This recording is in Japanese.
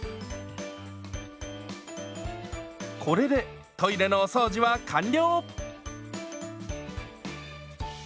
これでトイレのお掃除は完了！